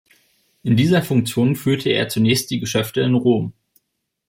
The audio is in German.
In dieser Funktion führte er zunächst die Geschäfte in Rom.